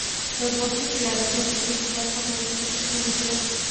Los bosques claros son su principal forma de vegetación natural.